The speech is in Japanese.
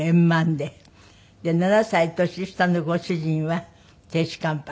で７歳年下のご主人は亭主関白。